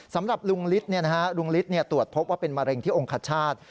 สำหรับลุงฤทธิ์ลุงฤทธิ์ตรวจพบว่าเป็นมะเร็งที่องคชาติ